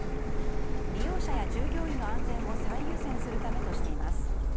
利用者や従業員の安全を最優先するためとしています。